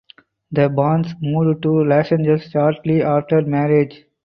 The Bonds moved to Los Angeles shortly after marriage.